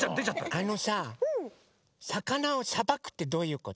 あのささかなをさばくってどういうこと？